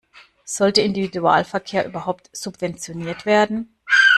Sollte Individualverkehr überhaupt subventioniert werden?